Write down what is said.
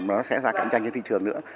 nó sẽ ra cạnh tranh trên thị trường nữa